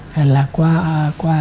hay là qua